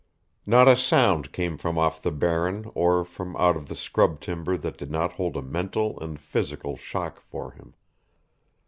Not a sound came from off the Barren or from out of the scrub timber that did not hold a mental and physical shock for him.